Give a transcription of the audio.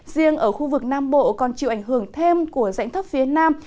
riêng ở khu vực nam bộ còn chịu ảnh hưởng thêm của rãnh thấp phía nam